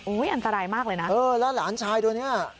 อันตรายมากเลยนะเออแล้วหลานชายตัวเนี้ย